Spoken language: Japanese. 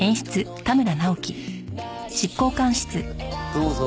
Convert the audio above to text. どうぞ。